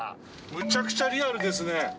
むちゃくちゃリアルですね。